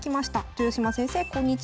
「豊島先生こんにちは。